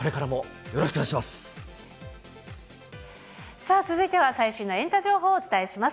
さあ、続いては最新のエンタ情報をお伝えします。